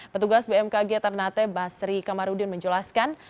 petugas bmkg ternate basri kamarudin menjelaskan